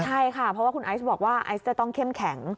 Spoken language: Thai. ใช่ค่ะเพราะว่าคุณไอซ์บอกว่าไอซ์จะต้องเข้มแข็ง